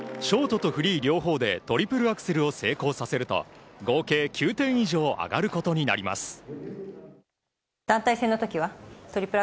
ショートとフリー両方でトリプルアクセルを成功させると合計９点以上上がることになります。